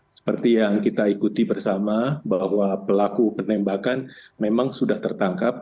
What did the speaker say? seperti yang kita ikuti bersama bahwa pelaku penembakan memang sudah tertangkap